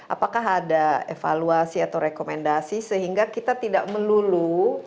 apakah ada evaluasi atau rekomendasi sehingga kita tidak melulu